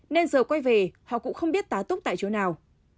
nên giờ quay về họ cũng không biết tá túc tại chỗ nào